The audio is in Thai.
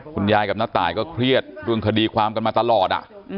คุณยายกับน้าตายก็เครียดเรื่องคดีความกันมาตลอด